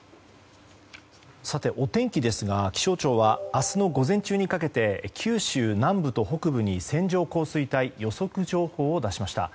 さて、お天気ですが気象庁は明日の午前中にかけて九州南部と北部に線状降水帯予測情報を出しました。